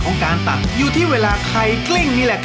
นอกหนจริงด้วย